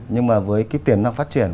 nhưng mà với cái tiền năng phát triển